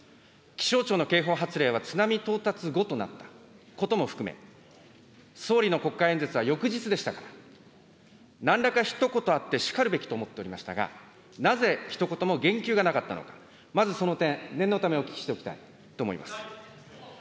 気象庁の警報発令が津波到達後となったことも含め、総理の国会演説は翌日でしたが、なんらかひと言あってしかるべきと思っておりましたが、なぜひと言も言及がなかったのか、まずその点、念のためお聞きしておきたいと思います。